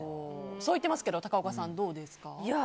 そう言っていますけど高岡さんどうですか？